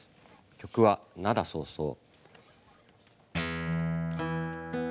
曲は「涙そうそう」。